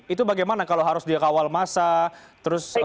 itu bagaimana kalau harus dia kawal masa terus